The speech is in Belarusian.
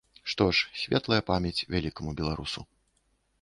Што ж, светлая памяць вялікаму беларусу.